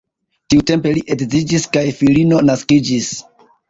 Tiutempe li edziĝis kaj filino naskiĝis.